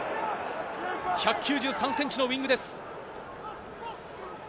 １９３ｃｍのウイングです。